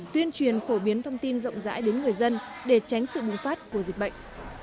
tuyên truyền phổ biến thông tin rộng rãi đến người dân để tránh sự bùng phát của dịch bệnh